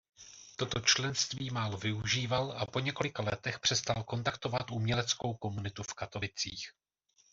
Toto členství málo využíval a po několika letech přestal kontaktovat uměleckou komunitu v Katovicích.